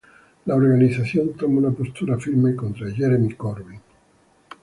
La organización toma una postura firme contra Jeremy Corbyn.